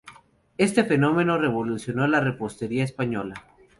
Este fenómeno revolucionó la repostería española.